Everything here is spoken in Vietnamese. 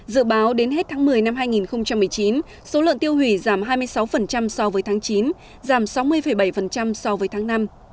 dự báo đến hết tháng một mươi năm hai nghìn một mươi chín số lợn tiêu hủy giảm hai mươi sáu so với tháng chín giảm sáu mươi bảy so với tháng năm